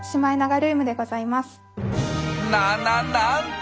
なななんと！